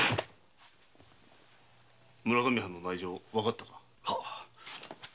村上藩の内情わかったか？